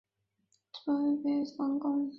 此城堡有别于布鲁塞尔王宫。